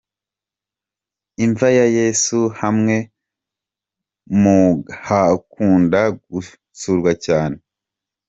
Imva ya Yesu hamwe mu hakunda gusurwa cyane.